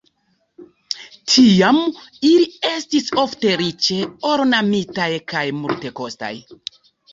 Tiam ili estis ofte riĉe ornamitaj kaj multekostaj.